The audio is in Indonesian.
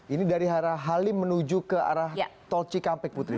ini dari arah halim menuju ke arah tol cikampek putri